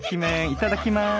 いただきます。